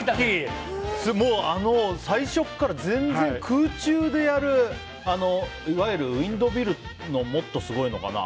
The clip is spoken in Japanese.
最初から空中でやるいわゆるウィンドミルのもっとすごいのかな。